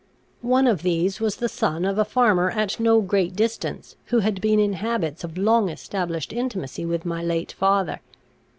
One of these was the son of a farmer at no great distance, who had been in habits of long established intimacy with my late father.